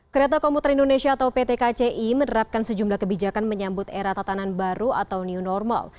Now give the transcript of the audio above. kereta komuter indonesia atau pt kci menerapkan sejumlah kebijakan menyambut era tatanan baru atau new normal